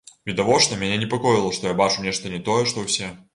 Відавочна, мяне непакоіла, што я бачу нешта не тое, што ўсе.